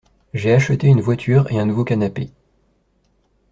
J’ai acheté une voiture et un nouveau canapé.